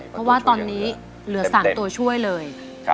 เพราะว่าตอนนี้เหลือ๓ตัวช่วยเลย